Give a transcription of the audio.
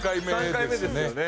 ３回目ですよね。